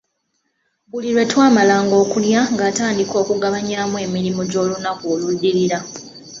Buli lwetwamalanga okulya nga atandika okugabanyaamu emirimu gy'olunaku oluddirira.